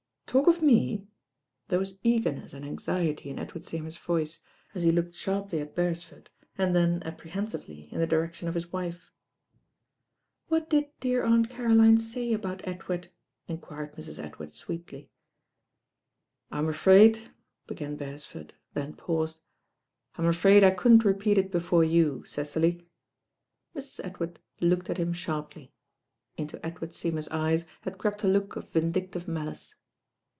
"Talk of me." There was eagerness and anxi ety in Edward Seymour's voice, as he looked sharply at Beresford, and then apprehensively in the di rection of his wife. "What did dear Aunt Caroline say about Ed ward?" enquired Mrs. Edward sweetly. 106 THE RAIN GIRL MT,"'"* *^'*'*'•■" Bereiford, then piuied. I m afraid I couldn't repeat it before you, Cecily." Mrt. Edward looked at him aharply. Into Ed ward Seymour't eyei had crept a look of vindictive malice.